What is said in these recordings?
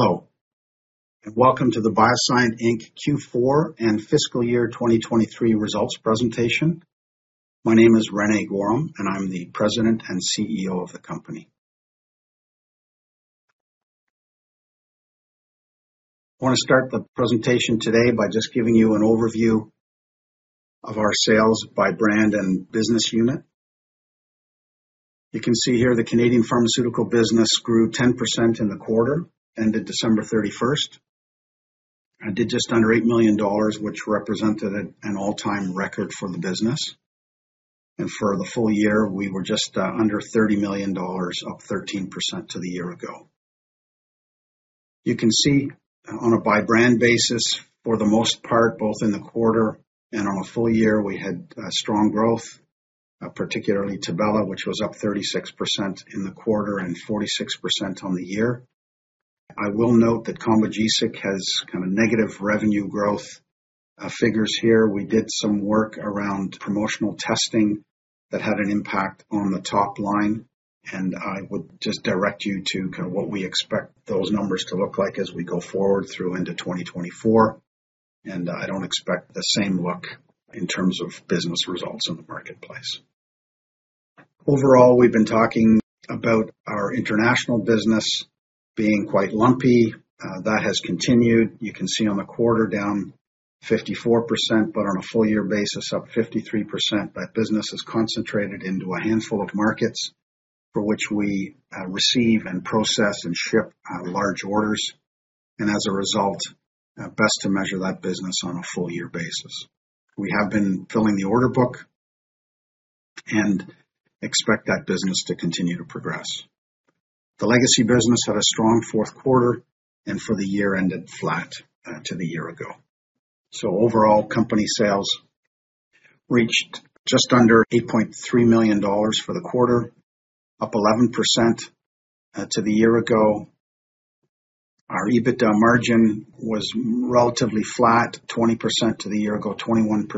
Hello, and welcome to the BioSyent Inc. Q4 and Fiscal Year 2023 results presentation. My name is René Goehrum, and I'm the president and CEO of the company. I want to start the presentation today by just giving you an overview of our sales by brand and business unit. You can see here the Canadian pharmaceutical business grew 10% in the quarter, ended December 31st, and did just under 8 million dollars, which represented an all-time record for the business. For the full year, we were just under 30 million dollars, up 13% to the year ago. You can see on a by-brand basis, for the most part, both in the quarter and on a full year, we had strong growth, particularly Tibella, which was up 36% in the quarter and 46% on the year. I will note that Combogesic has kind of negative revenue growth figures here. We did some work around promotional testing that had an impact on the top line, and I would just direct you to kind of what we expect those numbers to look like as we go forward through into 2024. I don't expect the same look in terms of business results in the marketplace. Overall, we've been talking about our international business being quite lumpy. That has continued. You can see on the quarter down 54%, but on a full-year basis up 53%. That business is concentrated into a handful of markets for which we receive and process and ship large orders. As a result, best to measure that business on a full-year basis. We have been filling the order book and expect that business to continue to progress. The legacy business had a strong fourth quarter, and for the year ended flat to the year ago. So overall, company sales reached just under 8.3 million dollars for the quarter, up 11% to the year ago. Our EBITDA margin was relatively flat, 20% to the year ago, 21%,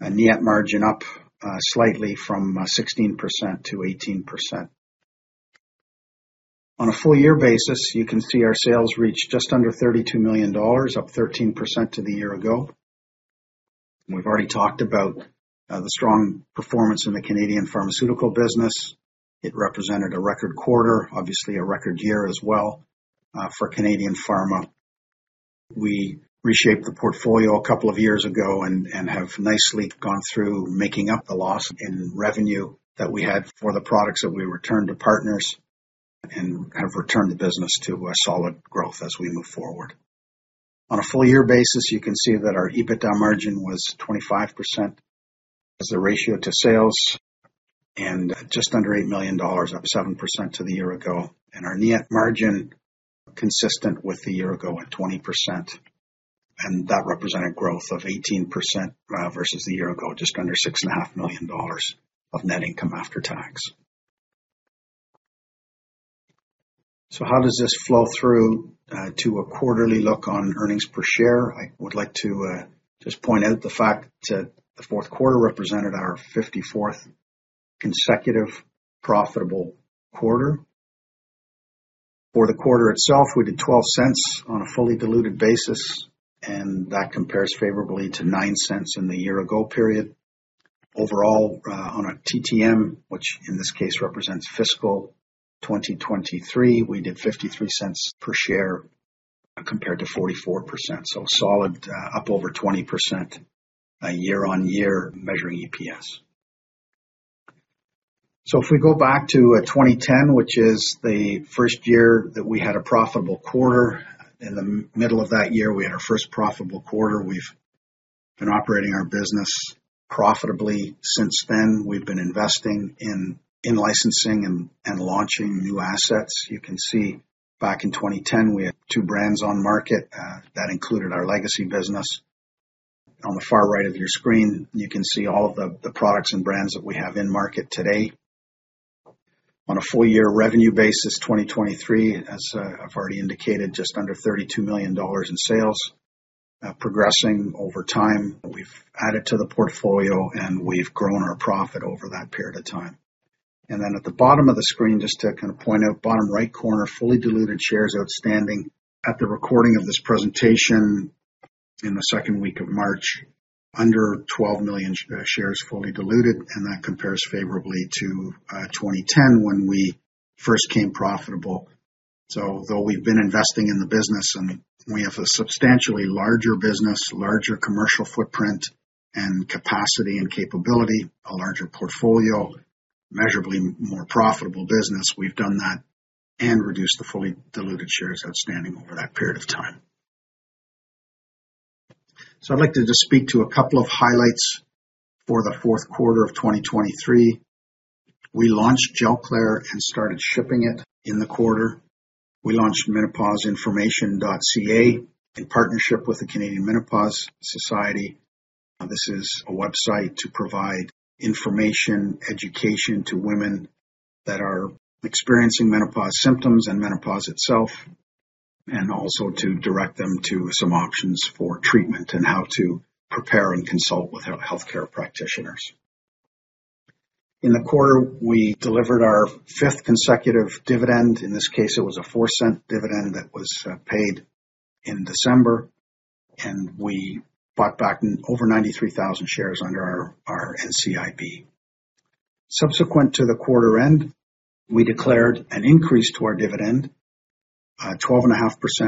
and NIAT margin up slightly from 16% to 18%. On a full-year basis, you can see our sales reached just under 32 million dollars, up 13% to the year ago. We've already talked about the strong performance in the Canadian pharmaceutical business. It represented a record quarter, obviously a record year as well for Canadian pharma. We reshaped the portfolio a couple of years ago and have nicely gone through making up the loss in revenue that we had for the products that we returned to partners and have returned the business to solid growth as we move forward. On a full-year basis, you can see that our EBITDA margin was 25% as a ratio to sales and just under 8 million dollars, up 7% to the year ago. Our NIAT margin consistent with the year ago at 20%. That represented growth of 18% versus the year ago, just under 6.5 million dollars of net income after tax. How does this flow through to a quarterly look on earnings per share? I would like to just point out the fact that the fourth quarter represented our 54th consecutive profitable quarter. For the quarter itself, we did 0.12 on a fully diluted basis, and that compares favorably to 0.09 in the year-ago period. Overall, on a TTM, which in this case represents fiscal 2023, we did 0.53 per share compared to 44%. Solid, up over 20% year-on-year measuring EPS. So if we go back to 2010, which is the first year that we had a profitable quarter, in the middle of that year we had our first profitable quarter. We've been operating our business profitably since then. We've been investing in licensing and launching new assets. You can see back in 2010 we had two brands on market. That included our legacy business. On the far right of your screen, you can see all of the products and brands that we have in market today. On a full-year revenue basis, 2023, as I've already indicated, just under 32 million dollars in sales. Progressing over time, we've added to the portfolio and we've grown our profit over that period of time. Then at the bottom of the screen, just to kind of point out, bottom right corner, fully diluted shares outstanding. At the recording of this presentation in the second week of March, under 12 million shares fully diluted, and that compares favorably to 2010 when we first came profitable. So though we've been investing in the business and we have a substantially larger business, larger commercial footprint and capacity and capability, a larger portfolio, measurably more profitable business, we've done that and reduced the fully diluted shares outstanding over that period of time. So I'd like to just speak to a couple of highlights for the fourth quarter of 2023. We launched Gelclair and started shipping it in the quarter. We launched MenopauseInformation.ca in partnership with the Canadian Menopause Society. This is a website to provide information, education to women that are experiencing menopause symptoms and menopause itself, and also to direct them to some options for treatment and how to prepare and consult with healthcare practitioners. In the quarter, we delivered our fifth consecutive dividend. In this case, it was a $0.04 dividend that was paid in December, and we bought back over 93,000 shares under our NCIB. Subsequent to the quarter end, we declared an increase to our dividend, a 12.5%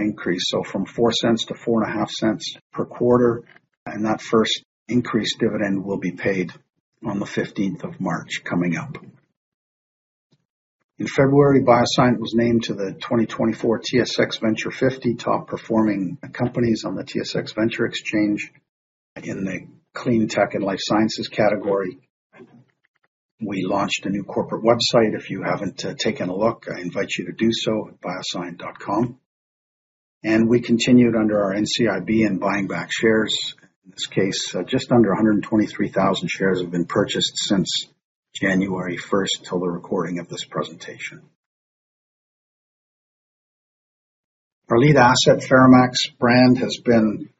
increase. So from $0.04 to $0.045 per quarter, and that first increased dividend will be paid on the 15th of March coming up. In February, BioSyent was named to the 2024 TSX Venture 50 top performing companies on the TSX Venture Exchange in the Clean Tech and Life Sciences category. We launched a new corporate website. If you haven't taken a look, I invite you to do so at BioSyent.com. And we continued under our NCIB and buying back shares. In this case, just under 123,000 shares have been purchased since January 1st till the recording of this presentation. Our lead asset, FeraMAX brand, has been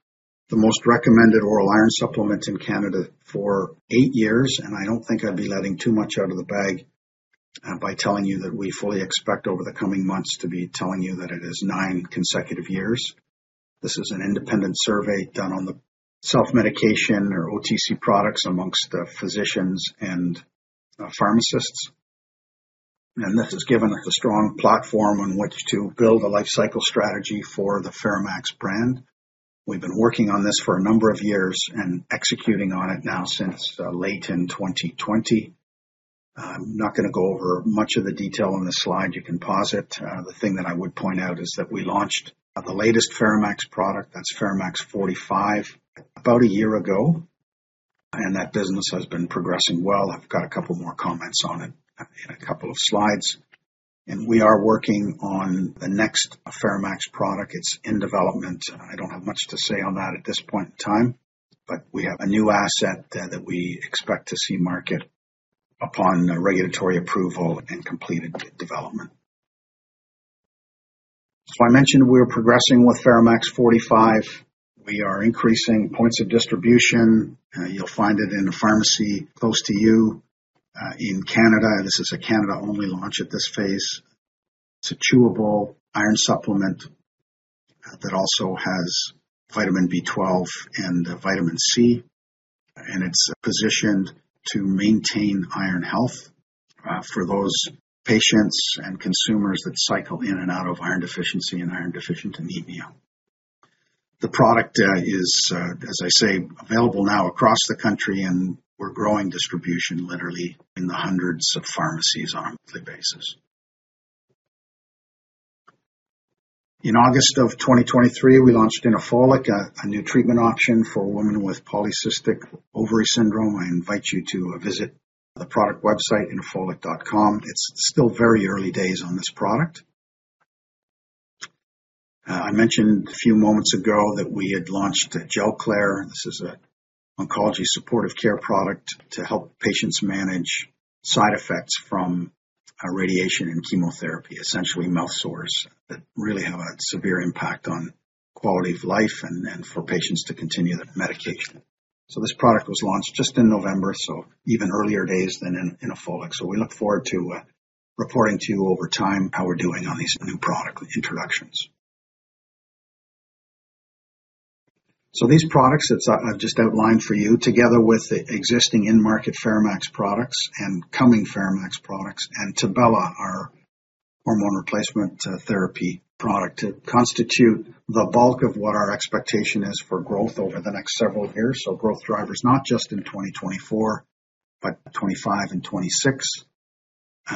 the most recommended oral iron supplement in Canada for eight years, and I don't think I'd be letting too much out of the bag by telling you that we fully expect over the coming months to be telling you that it is nine consecutive years. This is an independent survey done on the self-medication or OTC products among physicians and pharmacists. This is given as a strong platform on which to build a life cycle strategy for the FeraMAX brand. We've been working on this for a number of years and executing on it now since late in 2020. I'm not going to go over much of the detail on this slide. You can pause it. The thing that I would point out is that we launched the latest FeraMAX product. That's FeraMAX 45 about a year ago, and that business has been progressing well. I've got a couple more comments on it in a couple of slides. We are working on the next FeraMAX product. It's in development. I don't have much to say on that at this point in time, but we have a new asset that we expect to see market upon regulatory approval and completed development. I mentioned we're progressing with FeraMAX 45. We are increasing points of distribution. You'll find it in a pharmacy close to you in Canada. This is a Canada-only launch at this phase. It's a chewable iron supplement that also has vitamin B12 and vitamin C, and it's positioned to maintain iron health for those patients and consumers that cycle in and out of iron deficiency and iron-deficient anemia. The product is, as I say, available now across the country, and we're growing distribution literally in the hundreds of pharmacies on a monthly basis. In August of 2023, we launched Inofolic, a new treatment option for women with polycystic ovary syndrome. I invite you to visit the product website Inofolic.com. It's still very early days on this product. I mentioned a few moments ago that we had launched Gelclair. This is an oncology supportive care product to help patients manage side effects from radiation and chemotherapy, essentially mouth sores that really have a severe impact on quality of life and for patients to continue the medication. So this product was launched just in November, so even earlier days than Inofolic. So we look forward to reporting to you over time how we're doing on these new product introductions. So these products that I've just outlined for you, together with the existing in-market FeraMAX products and coming FeraMAX products and Tibella, our hormone replacement therapy product, to constitute the bulk of what our expectation is for growth over the next several years, so growth drivers not just in 2024 but 2025 and 2026.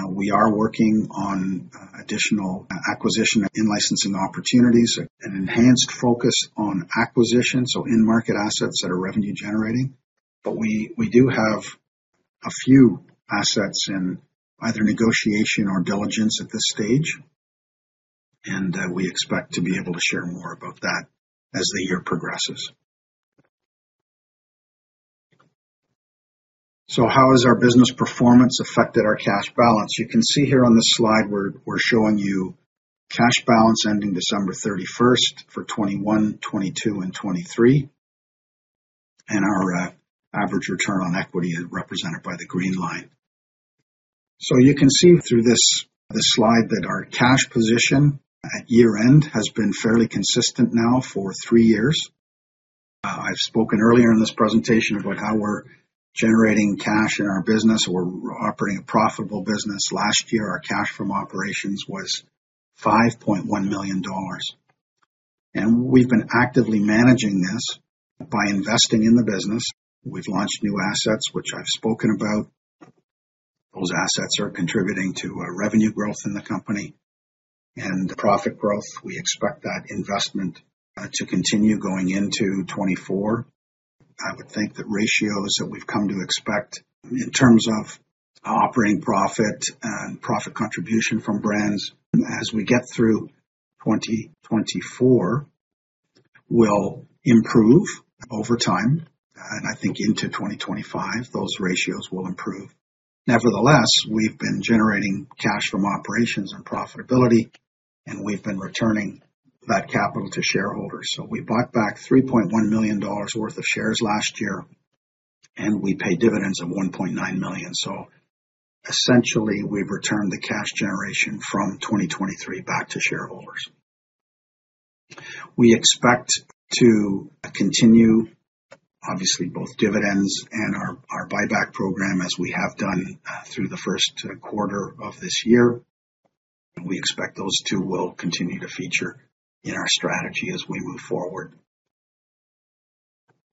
We are working on additional acquisition and licensing opportunities, an enhanced focus on acquisition, so in-market assets that are revenue-generating. But we do have a few assets in either negotiation or diligence at this stage, and we expect to be able to share more about that as the year progresses. So how has our business performance affected our cash balance? You can see here on this slide we're showing you cash balance ending December 31st for 2021, 2022, and 2023, and our average return on equity represented by the green line. So you can see through this slide that our cash position at year-end has been fairly consistent now for three years. I've spoken earlier in this presentation about how we're generating cash in our business. We're operating a profitable business. Last year, our cash from operations was 5.1 million dollars. And we've been actively managing this by investing in the business. We've launched new assets, which I've spoken about. Those assets are contributing to revenue growth in the company and profit growth. We expect that investment to continue going into 2024. I would think that ratios that we've come to expect in terms of operating profit and profit contribution from brands as we get through 2024 will improve over time, and I think into 2025 those ratios will improve. Nevertheless, we've been generating cash from operations and profitability, and we've been returning that capital to shareholders. So we bought back 3.1 million dollars worth of shares last year, and we pay dividends of 1.9 million. So essentially, we've returned the cash generation from 2023 back to shareholders. We expect to continue, obviously, both dividends and our buyback program as we have done through the first quarter of this year. We expect those two will continue to feature in our strategy as we move forward.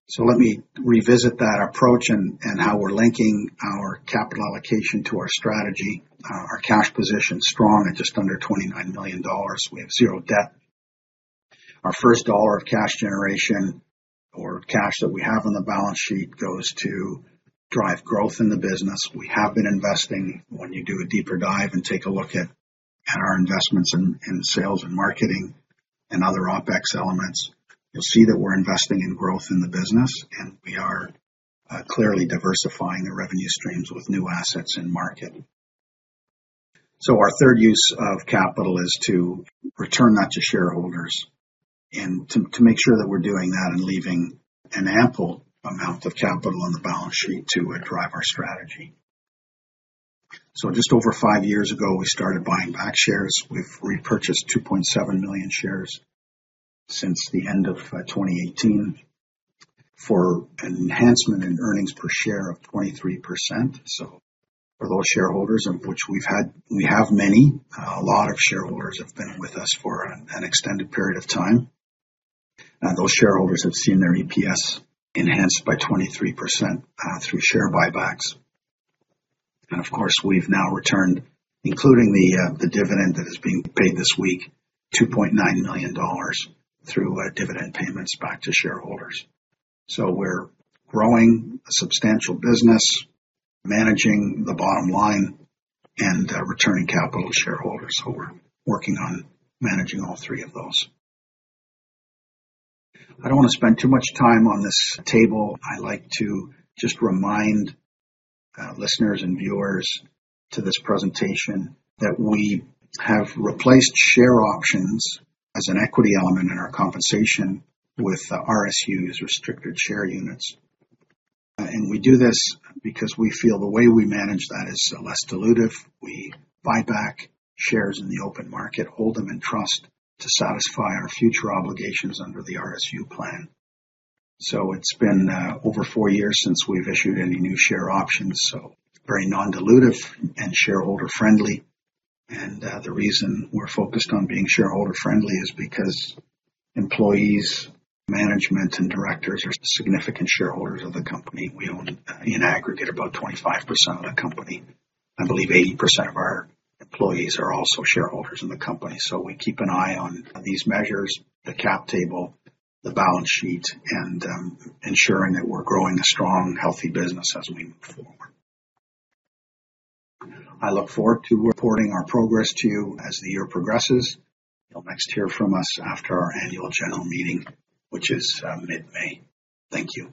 So let me revisit that approach and how we're linking our capital allocation to our strategy. Our cash position is strong at just under 29 million dollars. We have zero debt. Our first dollar of cash generation or cash that we have on the balance sheet goes to drive growth in the business. We have been investing. When you do a deeper dive and take a look at our investments in sales and marketing and other OpEx elements, you'll see that we're investing in growth in the business, and we are clearly diversifying the revenue streams with new assets in market. Our third use of capital is to return that to shareholders and to make sure that we're doing that and leaving an ample amount of capital on the balance sheet to drive our strategy. Just over five years ago, we started buying back shares. We've repurchased 2.7 million shares since the end of 2018 for an enhancement in earnings per share of 23%. For those shareholders, of which we have many, a lot of shareholders have been with us for an extended period of time. Those shareholders have seen their EPS enhanced by 23% through share buybacks. Of course, we've now returned, including the dividend that is being paid this week, 2.9 million dollars through dividend payments back to shareholders. We're growing a substantial business, managing the bottom line, and returning capital to shareholders. We're working on managing all three of those. I don't want to spend too much time on this table. I'd like to just remind listeners and viewers to this presentation that we have replaced share options as an equity element in our compensation with RSUs, restricted share units. And we do this because we feel the way we manage that is less dilutive. We buy back shares in the open market, hold them in trust to satisfy our future obligations under the RSU plan. It's been over four years since we've issued any new share options, so very non-dilutive and shareholder-friendly. The reason we're focused on being shareholder-friendly is because employees, management, and directors are significant shareholders of the company. We own in aggregate about 25% of the company. I believe 80% of our employees are also shareholders in the company. So we keep an eye on these measures, the cap table, the balance sheet, and ensuring that we're growing a strong, healthy business as we move forward. I look forward to reporting our progress to you as the year progresses. You'll next hear from us after our annual general meeting, which is mid-May. Thank you.